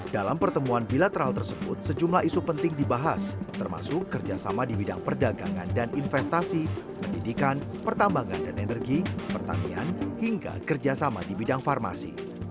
dalam pertemuan bilateral tersebut sejumlah isu penting dibahas termasuk kerjasama di bidang perdagangan dan investasi pendidikan pertambangan dan energi pertanian hingga kerjasama di bidang farmasi